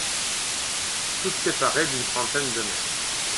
Tous séparés d'une trentaine de mètres.